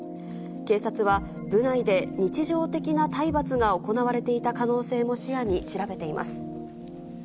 警察は、部内で日常的な体罰が行われていた可能性も視野に調べています。